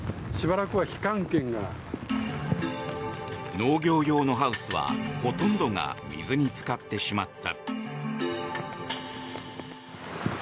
農業用のハウスはほとんどが水につかってしまった。